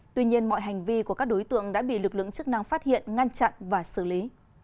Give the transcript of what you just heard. tuy nhiên mọi hành vi của các đối tượng đã bị lực lượng chức năng phát hiện ngăn chặn và xử lý